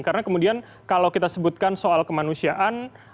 karena kemudian kalau kita sebutkan soal kemanusiaan